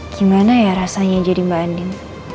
gimana ya rasanya jadi mbak andi